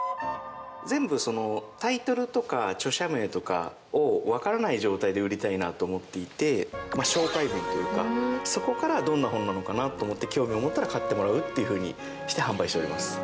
全部タイトルとか著者名とかをわからない状態にして売りたいなと思っていて紹介文というか、そこからどんな本なのかなと思って興味を持ったら買ってもらうというふうにして販売しています。